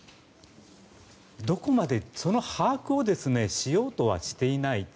どこまで、その把握をしようとはしていない。